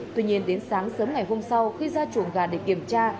tuy nhiên đến sáng sớm ngày hôm sau khi ra chuồng gà để kiểm tra